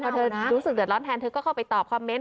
พอเธอรู้สึกเดือดร้อนแทนเธอก็เข้าไปตอบคอมเมนต